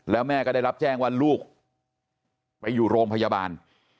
แล้วแม่ก็ได้รับแจ้งว่าลูกไปอยู่โรงพยาบาล